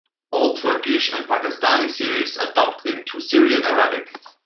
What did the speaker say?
All Turkish and pakistani series are dubbed into Syrian Arabic.